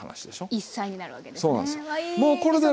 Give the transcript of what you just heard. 一菜になるわけですね。